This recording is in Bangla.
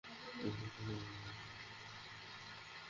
কিন্তু যখন আপনাকে নিয়ে প্রতিপক্ষ বিশ্লেষণ করবে, তখন কঠিন হয়ে যাবে।